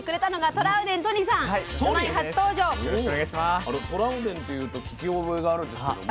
トラウデンというと聞き覚えがあるんですけども。